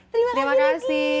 terima kasih lucky